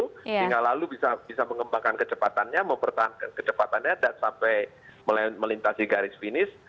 sehingga lalu bisa mengembangkan kecepatannya mempertahankan kecepatannya dan sampai melintasi garis finish